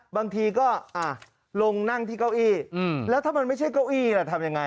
บางทีก็ลงนั่งที่เก้าอี้แล้วถ้ามันไม่ใช่เก้าอี้ล่ะทำยังไง